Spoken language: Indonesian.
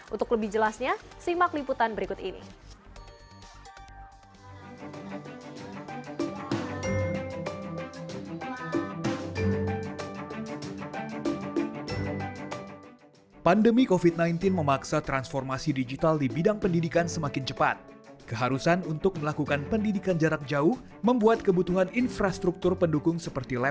untuk lebih jelasnya simak liputan berikut ini